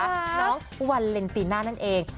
น้องวาเลนติน่านั่นเอง